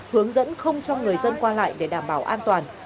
hướng dẫn không cho người dân qua lại để đảm bảo an toàn